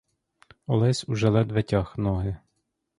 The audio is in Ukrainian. Олесь уже ледве тяг ноги.